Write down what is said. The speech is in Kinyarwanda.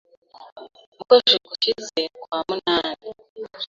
Mu kwezi gushize kwa munani,